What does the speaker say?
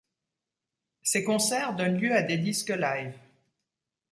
Ces concerts donnent lieu à des disques live.